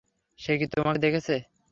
সে কি তোমাকে দেখছে?